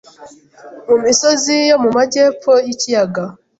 mu misozi yo mu majyepfo y'ikiyaga.